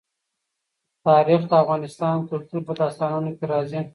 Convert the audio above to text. تاریخ د افغان کلتور په داستانونو کې راځي.